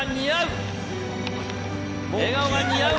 笑顔が似合う。